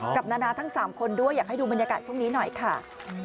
นานาทั้ง๓คนด้วยอยากให้ดูบรรยากาศช่วงนี้หน่อยค่ะ